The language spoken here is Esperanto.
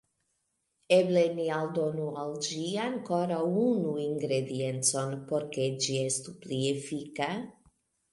Eble ni aldonu al ĝi ankoraŭ unu ingrediencon, por ke ĝi estu pli efika?